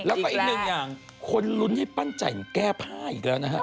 แล้วก็อีกหนึ่งอย่างคนลุ้นให้ปั้นจันทร์แก้ผ้าอีกแล้วนะฮะ